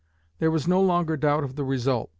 There was no longer doubt of the result.